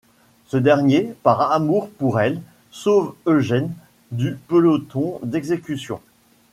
Ce dernier, par amour pour elle, sauve Eugen du peloton d'exécution.